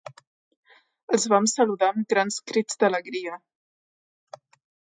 Els vam saludar amb grans crits d'alegria